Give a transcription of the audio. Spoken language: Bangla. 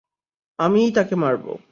আমি-ই তাকে মারবো!